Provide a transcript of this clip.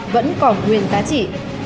vẫn còn nguyên giá trị